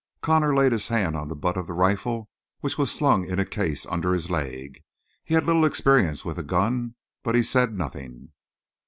Connor laid his hand on the butt of the rifle which was slung in a case under his leg. He had little experience with a gun, but he said nothing.